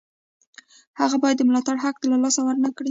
هغه باید د ملاتړ حق له لاسه ورنکړي.